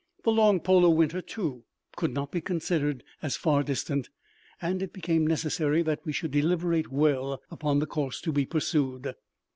The long polar winter, too, could not be considered as far distant, and it became necessary that we should deliberate well upon the course to be pursued.